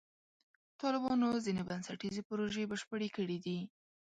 طالبانو ځینې بنسټیزې پروژې بشپړې کړې دي.